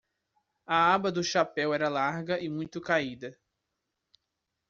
A aba do chapéu era larga e muito caída.